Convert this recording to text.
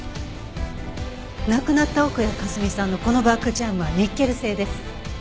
亡くなった奥谷香澄さんのこのバッグチャームはニッケル製です。